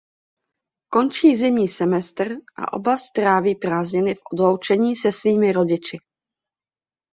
Končí zimní semestr a oba stráví prázdniny v odloučení se svými rodiči.